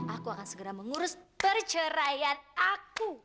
aku akan segera mengurus perceraian aku